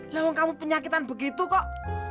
lemong kamu penyakitan begitu kok